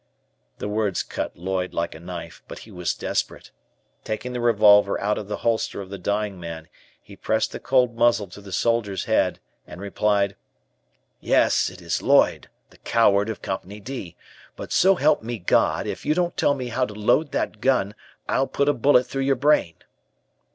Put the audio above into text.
The words cut Lloyd like a knife, but he was desperate. Taking the revolver out of the holster of the dying man, he pressed the cold muzzle to the soldier's head, and replied: "Yes, it is Lloyd, the coward of Company 'D,' but so help me God, if you don't tell me how to load that gun, I'll put a bullet through your brain!"